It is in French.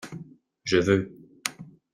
Je veux.